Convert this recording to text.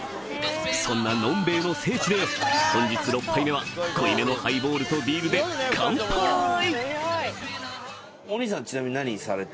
そんな呑兵衛の聖地で本日６杯目は濃いめのハイボールとビールでカンパイ！